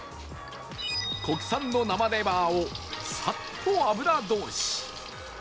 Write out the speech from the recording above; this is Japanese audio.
国産の生レバーをサッと油通し